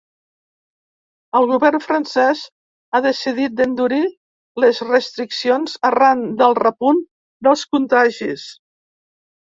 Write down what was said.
El govern francès ha decidit d’endurir les restriccions arran del repunt dels contagis.